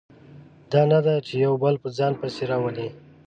دا نه ده چې یو بل په ځان پسې راولي.